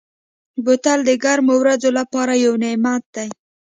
بوتل د ګرمو ورځو لپاره یو نعمت دی.